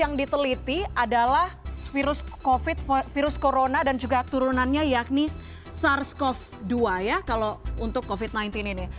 yang diteliti adalah virus covid virus corona dan juga turunannya yakni sars cov dua ya kalau untuk covid sembilan belas ini